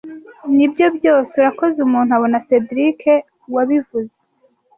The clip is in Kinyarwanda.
Nibyo byose urakoze umuntu abona cedric niwe wabivuze